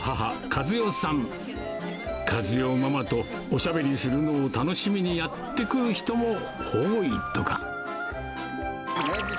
和代ママとおしゃべりするのを楽しみにやって来る人も多いとか。